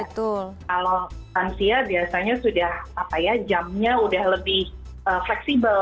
kalau lansia biasanya sudah jamnya udah lebih fleksibel